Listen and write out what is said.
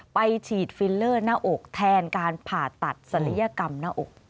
ไปฉีดฟิลเลอร์หน้าอกแทนการผ่าตัดศัลยกรรมหน้าอก